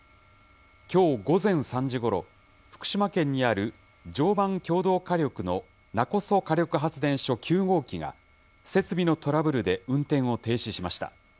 きょう午前３時ごろ、福島県にある常磐共同火力の勿来火力発電所９号機が、設備のトラブルで運転を停止しました。